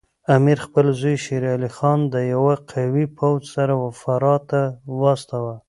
امیر خپل زوی شیر علي خان د یوه قوي پوځ سره فراه ته واستاوه.